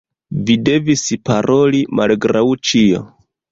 Vi devis paroli malgraŭ ĉio.